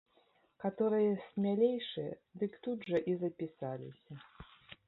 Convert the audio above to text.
Каторыя смялейшыя, дык тут жа і запісаліся.